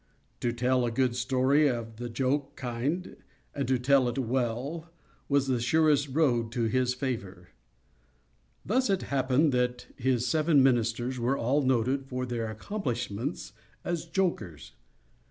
To tell a good story of the joke kind, and to tell it well, was the surest road to his favor. Thus it happened that his seven ministers were all noted for their accomplishments as jokers.